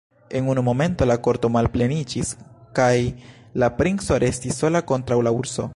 En unu momento la korto malpleniĝis, kaj la princo restis sola kontraŭ la urso.